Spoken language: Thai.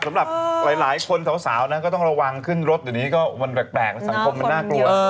สำหรับหลายคนสาวนะก็ต้องระวังขึ้นรถเดี๋ยวนี้ก็มันแปลกสังคมมันน่ากลัว